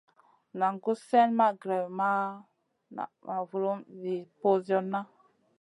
Naʼ gus slèʼ ma grewn ma naʼ ma vulum mi ɓosionna.